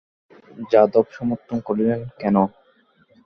যাদব সমর্থন করিলেন কেন?